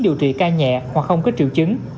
điều trị ca nhẹ hoặc không có triệu chứng